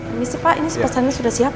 ini sih pak ini pesannya sudah siap